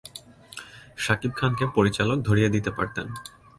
শাকিব খানকে পরিচালক ধরিয়ে দিতে পারতেন।